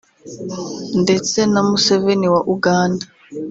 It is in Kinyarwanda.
ndetse na Museveni wa Uganda